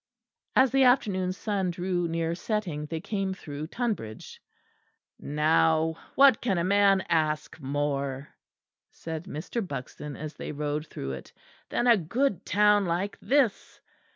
As the afternoon sun drew near setting, they came through Tonbridge. "Now, what can a man ask more," said Mr. Buxton, as they rode through it, "than a good town like this?